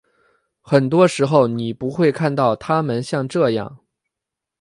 很多时候你不会看到他们像这样。